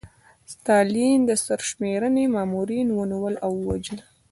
ستالین د سرشمېرنې مامورین ونیول او ووژل.